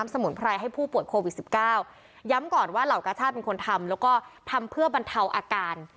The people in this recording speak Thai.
สมุนไพรให้ผู้ป่วยโควิดสิบเก้าย้ำก่อนว่าเหล่ากาชาติเป็นคนทำแล้วก็ทำเพื่อบรรเทาอาการ